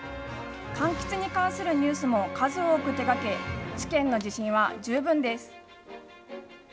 かんきつに関するニュースも数多く手がけ、試験の自信は十分です。